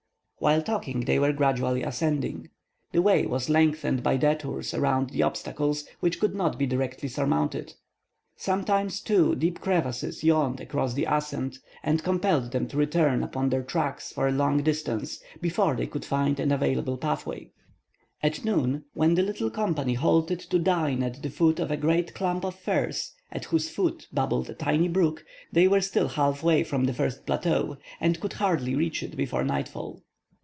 While talking they were gradually ascending. The way was lengthened by detours around the obstacles which could not be directly surmounted. Sometimes, too, deep crevasses yawned across the ascent, and compelled them to return upon their track for a long distance, before they could find an available pathway. At noon, when the little company halted to dine at the foot of a great clump of firs, at whose foot babbled a tiny brook, they were still half way from the first plateau, and could hardly reach it before nightfall.